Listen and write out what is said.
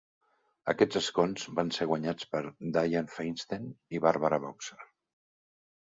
Aquests escons van ser guanyats per Dianne Feinstein i Barbara Boxer.